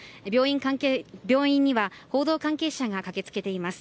病院には報道関係者が駆けつけています。